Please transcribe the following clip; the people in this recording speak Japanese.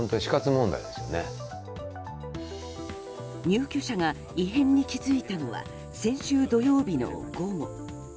入居者が異変に気付いたのは先週土曜日の午後。